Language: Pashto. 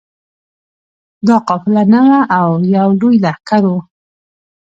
دا قافله نه وه او یو لوی لښکر وو.